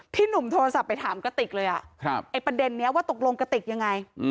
หนุ่มโทรศัพท์ไปถามกระติกเลยไอ้ประเด็นนี้ว่าตกลงกระติกยังไง